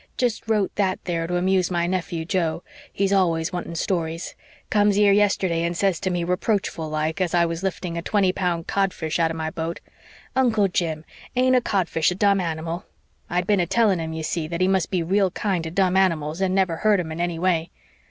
"Just wrote that there to amuse my nephew Joe. He's always wanting stories. Comes here yesterday and says to me, reproachful like, as I was lifting a twenty pound codfish out of my boat, 'Uncle Jim, ain't a codfish a dumb animal?' I'd been a telling him, you see, that he must be real kind to dumb animals, and never hurt 'em in any way.